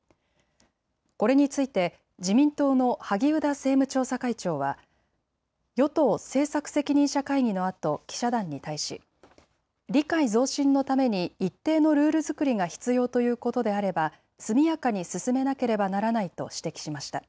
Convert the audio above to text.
これについて自民党の萩生田政務調査会長は与党政策責任者会議のあと記者団に対し理解増進のために一定のルール作りが必要ということであれば速やかに進めなければならないと指摘しました。